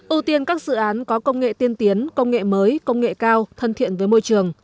ưu tiên các dự án có công nghệ tiên tiến công nghệ mới công nghệ cao thân thiện với môi trường